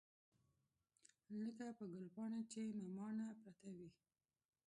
لکه په ګلپاڼه چې مماڼه پرته وي.